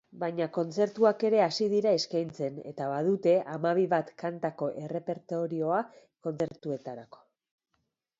Baina kontzertuak ere hasi dira eskaintzen eta badute hamabi bat kantako errepertorioa kontzertuetarako.